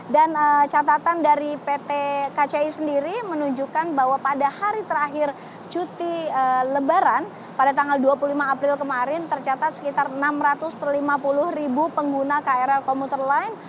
dan catatan dari pt kci sendiri menunjukkan bahwa pada hari terakhir cuti lebaran pada tanggal dua puluh lima april kemarin tercatat sekitar enam ratus lima puluh pengguna krl komuter lain